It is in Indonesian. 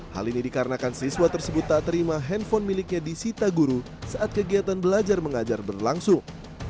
hal ini dikarenakan siswa tersebut tak terima handphone miliknya di sita guru saat kegiatan belajar mengajar berlangsung